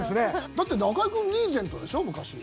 だって、中居君リーゼントでしょ、昔。